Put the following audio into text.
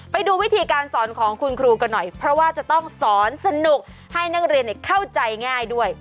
ไปดูวิธีการสอนของคุณครูกันหน่อยเพราะว่าจะต้องสอนสนุกให้นักเรียนเข้าใจง่ายด้วย